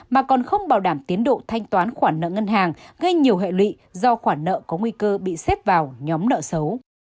mà còn không bảo đảm tiến độ thanh toán khoản nợ ngân hàng gây nhiều hệ lụy do khoản nợ có nguy cơ bị xếp vào nhóm nợ xấu